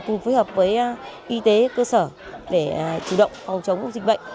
cùng phối hợp với y tế cơ sở để chủ động phòng giáo dục